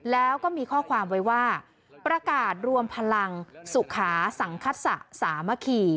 แล้วก็มีข้อความไว้ว่าประกาศรวมพลังสุขาสังคสะสามัคคี